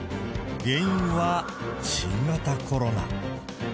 原因は新型コロナ。